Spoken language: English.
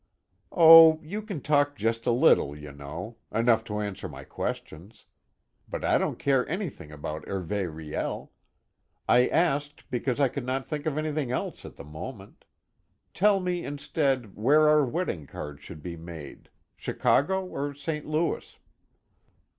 "Oh, you can talk just a little, you know enough to answer my questions. But I don't care anything about Hervé Riel. I asked because I could not think of anything else at the moment. Tell me instead, where our wedding cards should be made Chicago or St. Louis?"